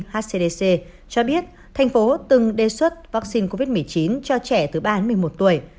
hcdc cho biết thành phố từng đề xuất vaccine covid một mươi chín cho trẻ từ ba đến một mươi một tuổi